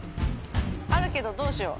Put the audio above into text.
あるけどどうしよう。